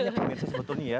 banyak pemirsa sebetulnya ya